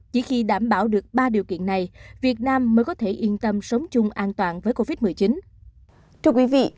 chỉ khi đảm bảo được ba điều kiện này việt nam mới có thể yên tâm sống chung an toàn với covid một mươi chín